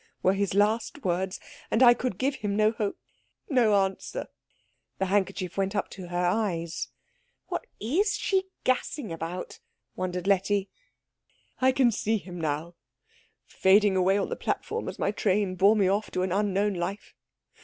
were his last words. And I could give him no hope no answer." The handkerchief went up to her eyes. "What is she gassing about?" wondered Letty. "I can see him now, fading away on the platform as my train bore me off to an unknown life.